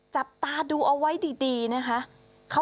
จับตาดูเอาไว้ดีนะคะ